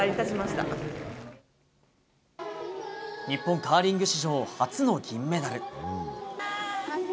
日本カーリング史上初の銀メダル。